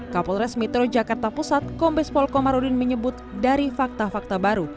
kapolres metro jakarta pusat kombes pol komarudin menyebut dari fakta fakta baru